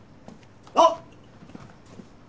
あっ！